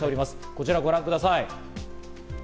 こちらをご覧ください。